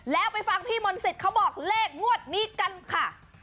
แล้วไปฟังพี่มนต์สิทธิ์เขาบอกเลขงวดนี้กันค่ะ